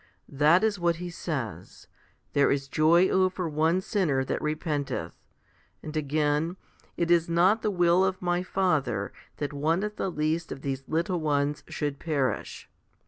That is what He says, There is joy over one sinner that repenteth ; 1 and again, It is not the will of My Father that one of the least of these little ones should perish?